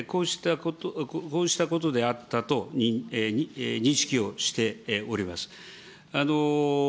こうしたことであったと認識をしております。